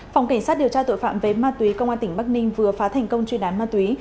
phòng cảnh sát điều tra tội phạm về ma túy công an tp bắc ninh vừa phá thành công truy đán ma túy